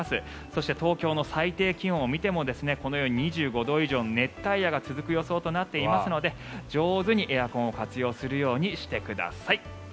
そして東京の最低気温を見てもこのように２５度以上の熱帯夜が続く予想となっていますので上手にエアコンを活用するようにしてください。